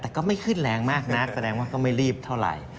แต่ก็ไม่ขึ้นแรงมากนักแสดงว่าก็ไม่รีบเท่าไหร่